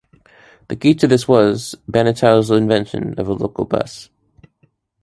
The key to this was, Banatao's invention of a local bus.